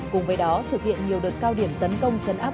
cùng với đó thực hiện nhiều đợt cao điểm tấn công chấn áp